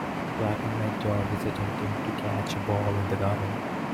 The black and white dog is attempting to catch a ball in the garden.